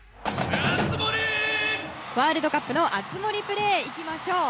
ワールドカップの熱盛プレー、いきましょう。